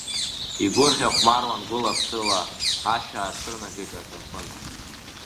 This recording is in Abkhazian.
Игәырӷьа-хәмаруан гәыла-ԥсыла, ашәа аацәырнагеит аҿарпын…